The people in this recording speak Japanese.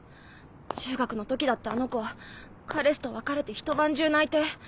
中学の時だってあの子彼氏と別れてひと晩中泣いて。